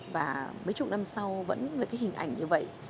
và mấy chục năm sau vẫn với cái hình ảnh như vậy